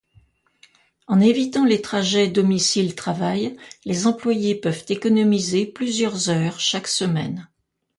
En évitant les trajets domicile-travail, les employés peuvent économiser plusieurs heures chaque semaine.